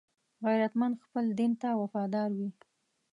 غیرتمند خپل دین ته وفادار وي